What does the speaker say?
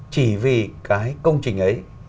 chỉ vì cái công trình ấy